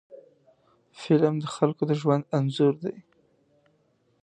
فلم د خلکو د ژوند انځور دی